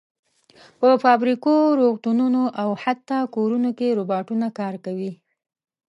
په فابریکو، روغتونونو او حتی کورونو کې روباټونه کار کوي.